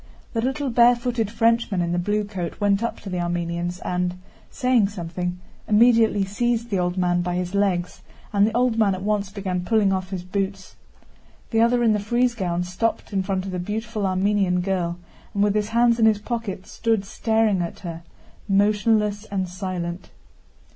The little barefooted Frenchman in the blue coat went up to the Armenians and, saying something, immediately seized the old man by his legs and the old man at once began pulling off his boots. The other in the frieze gown stopped in front of the beautiful Armenian girl and with his hands in his pockets stood staring at her, motionless and silent.